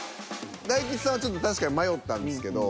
大吉さんは確かに迷ったんですけど。